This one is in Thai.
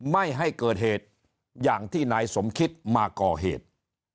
ไม่ให้เกิดเหตุอย่างที่นายสมคิดมาก่อเหตุ